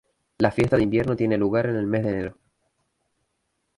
La fiesta de invierno tiene lugar en el mes de enero.